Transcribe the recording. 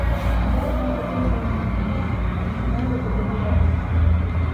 З берега закинули на нього міст і нагнали туди людей.